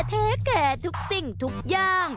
แชร์แรก